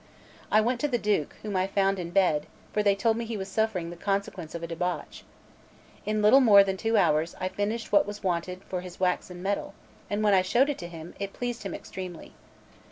I went to the Duke, whom I found in bed, for they told me he was suffering the consequence of a debauch. In little more than two hours I finished what was wanted for his waxen medal; and when I showed it to him, it pleased him extremely.